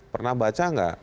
pernah baca nggak